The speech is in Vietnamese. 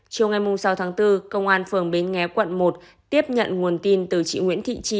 chiều ngày sáu tháng bốn công an phường bến nghé quận một tiếp nhận nguồn tin từ chị nguyễn thị trì